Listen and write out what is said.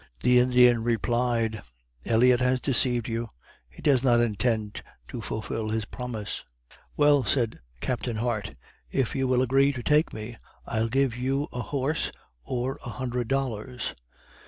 The Indian replied, "Elliott has deceived you he does not intend to fulfill his promise." Well, said Capt. Hart, "if you will agree to take me, I will give you a horse, or a hundred dollars.